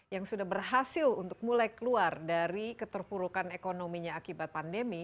yang sudah berhasil untuk mulai keluar dari keterpurukan ekonominya akibat pandemi